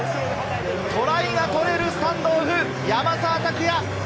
トライがとれるスタンドオフ、山沢拓也。